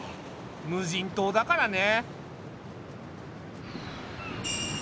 無人島だからね。